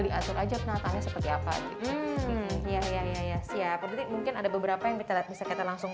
diatur aja penataannya seperti apa gitu ya ya ya siap mungkin ada beberapa yang bisa kita langsung